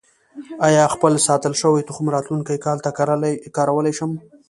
آیا خپل ساتل شوی تخم راتلونکي کال ته کارولی شم؟